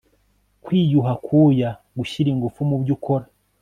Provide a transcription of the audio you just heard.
kwiyuha akuya gushyira ingufu mu byo ukora